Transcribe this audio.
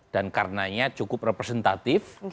dan karenanya cukup representatif